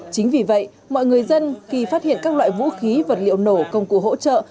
chính vì vậy mọi người dân khi phát hiện các loại vũ khí vật liệu nổ công cụ hỗ trợ